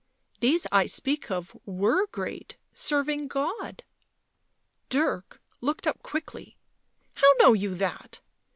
" These I speatk of were great, serving God." Dirk looked up quickly. "How know you that?